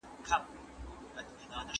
ايا حضوري تدريس د ټولګي نظم په ځای ساتي؟